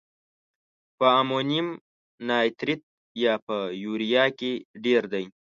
په امونیم نایتریت یا په یوریا کې ډیر دی؟